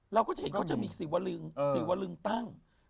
เราก็จะเห็นเขาจะมีสิวลึงศิวลึงตั้ง